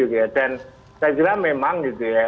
dan saya kira memang